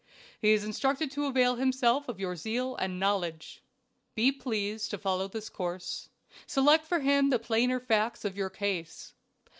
"He is instructed to avail himself of your zeal and knowledge. "Be pleased to follow this course. Select for him the plainer facts of your case.